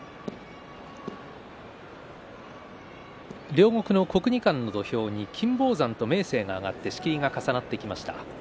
両国の国技館の土俵に金峰山と明生が上がって仕切りが重なってきました